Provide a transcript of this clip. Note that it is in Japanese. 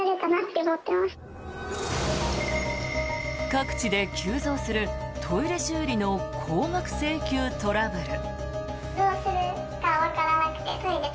各地で急増するトイレ修理の高額請求トラブル。